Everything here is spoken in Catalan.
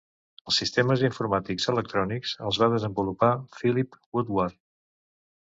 Els sistemes informàtics electrònics els va desenvolupar Philip Woodward.